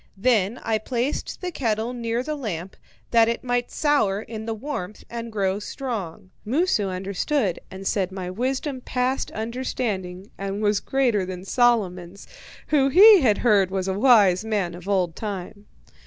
Then I placed the kettle near the lamp, that it might sour in the warmth and grow strong. Moosu understood, and said my wisdom passed understanding and was greater than Solomon's, who he had heard was a wise man of old time.